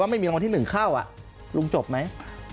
ไม่มีรางวัลที่๑เข้าลุงจบไหม